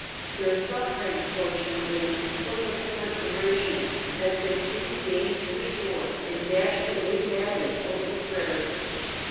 Their suffering, fortunately, was of short duration, as they soon gained the shore and dashed away madly over the prairie.